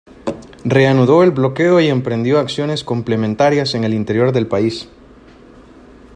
Reanudó el bloqueo y emprendió acciones complementarias en el interior del país.